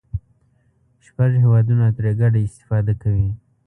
شپږ هېوادونه ترې ګډه استفاده کوي.